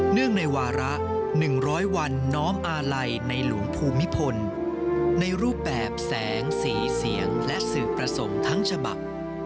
ในวาระ๑๐๐วันน้อมอาลัยในหลวงภูมิพลในรูปแบบแสงสีเสียงและสื่อประสงค์ทั้งฉบับ